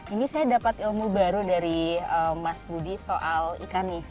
ini saya dapat ilmu baru dari mas budi soal ikan nih